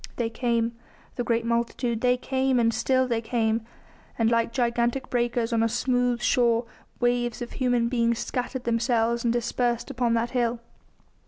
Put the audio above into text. They came the great multitude they came, and still they came; and like gigantic breakers on a smooth shore, waves of human beings scattered themselves and dispersed upon that hill.